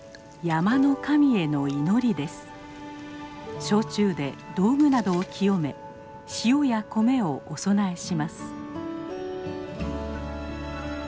焼酎で道具などを清め塩や米をお供えします。